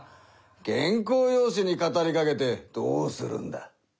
原稿用紙に語りかけてどうするんだ？